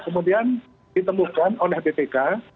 kemudian ditemukan oleh bpk